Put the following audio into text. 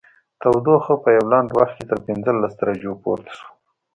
تودوخه په یوه لنډ وخت کې تر پنځلس درجو پورته شوه